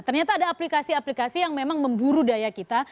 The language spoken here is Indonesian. ternyata ada aplikasi aplikasi yang memang memburu daya kita